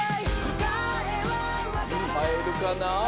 はえるかな？